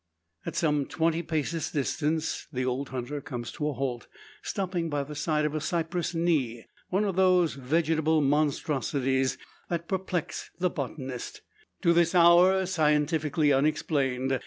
At some twenty paces distance, the old hunter comes to a halt, stopping by the side of a cypress "knee"; one of those vegetable monstrosities that perplex the botanist to this hour scientifically unexplained.